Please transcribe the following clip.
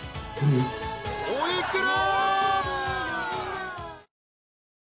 ［お幾ら？］